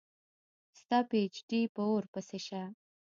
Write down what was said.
ستا پي ایچ ډي په اوور پسي شه